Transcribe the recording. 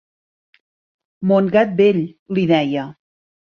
Mon gat vell, li deia.